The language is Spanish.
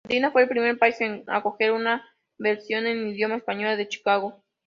Argentina fue el primer país en acoger una versión en idioma español de "Chicago".